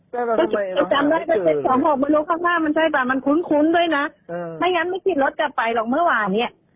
ส่งไปให้เนี่ย